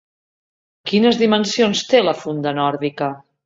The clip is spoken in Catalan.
Quines dimensions té la funda nòrdica?